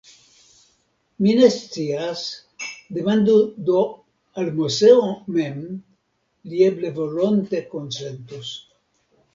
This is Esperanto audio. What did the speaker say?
Mi ne scias; demandu do al Moseo mem, li eble volonte konsentos.